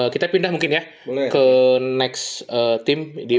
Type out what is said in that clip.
kita pindah mungkin ya ke next team di empat